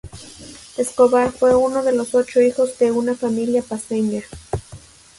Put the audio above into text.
Escobar fue uno de ocho hijos de una familia paceña.